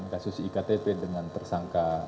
kasus iktp dengan tersangka